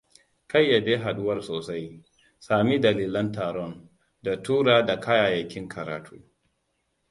Ƙayyade haɗuwar sosai, sami dalilin taron, da tura da kayayyakin karatu.